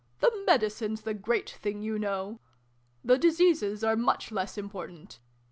The Medicine s the great thing, you know. The Diseases are much less im portant.